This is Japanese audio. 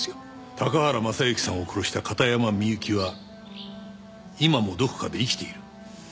高原雅之さんを殺した片山みゆきは今もどこかで生きている。